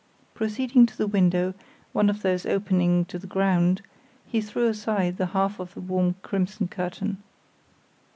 Proceeding to the window, one of those opening to the ground, he threw aside the half of the warm crimson curtain.